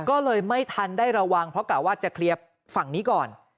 ก็เลยไม่ทันได้ระวังเพราะกะว่าจะเคลียร์ฝั่งนี้ก่อน